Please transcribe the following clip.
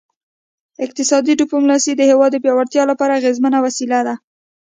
اقتصادي ډیپلوماسي د هیواد د پیاوړتیا لپاره اغیزمنه وسیله ده